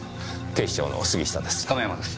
警視庁の杉下です。